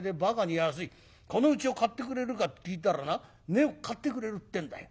このうちを買ってくれるかって聞いたらな買ってくれるってんだよ。